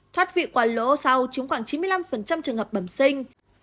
thoát vị qua lỗ sau chứng khoảng chín mươi năm trường hợp bẩm sinh